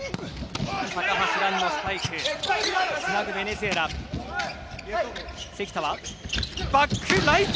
高橋藍のスパイク。